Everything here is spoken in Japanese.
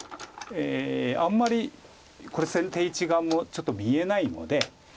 あんまりこれ先手一眼もちょっと見えないので。